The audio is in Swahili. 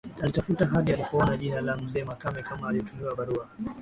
Alitafuta hadi alipoona jina la mzee Makame kama anayetumiwa barua